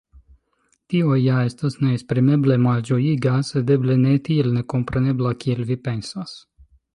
Tio ja estas neesprimeble malĝojiga, sed eble ne tiel nekomprenebla, kiel vi pensas.